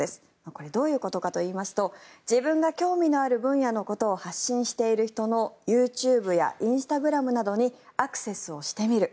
これはどういうことかいいますと自分が興味のある分野のことを発信している人のＹｏｕＴｕｂｅやインスタグラムなどにアクセスをしてみる。